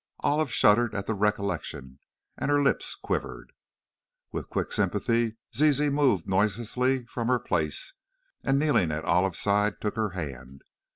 Olive shuddered at the recollection, and her lips quivered. With quick sympathy, Zizi moved noiselessly from her place, and, kneeling at Olive's side, took her hand.